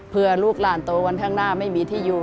เพื่อลูกหลานโตวันข้างหน้าไม่มีที่อยู่